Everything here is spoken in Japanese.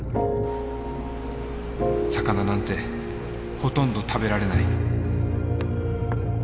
魚なんてほとんど食べられない。